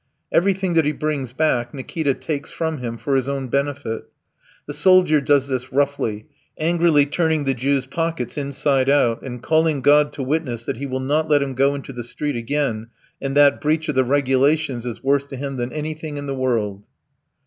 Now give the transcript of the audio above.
Everything that he brings back Nikita takes from him for his own benefit. The soldier does this roughly, angrily turning the Jew's pockets inside out, and calling God to witness that he will not let him go into the street again, and that breach of the regulations is worse to him than anything in the world.